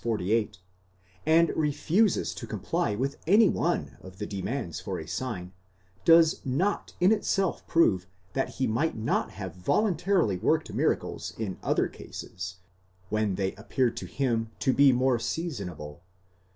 48) and refuses to comply with any one of the demands for a sign, does not in itself prove that he might not have voluntarily worked miracles in other cases, when they appeared to him to be more seasonable.